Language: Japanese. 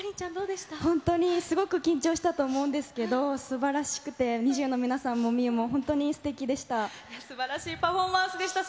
本当にすごく緊張したと思うんですけど、すばらしくて、ＮｉｚｉＵの皆さんも望結も本当にすてきでした。